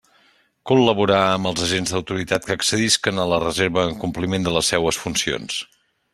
Col·laborar amb els agents d'autoritat que accedisquen a la Reserva en compliment de les seues funcions.